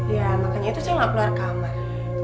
ya makanya itu saya nggak keluar kamar